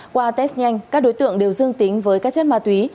qua test nhanh các đối tượng đều dương tính với các chất ma túy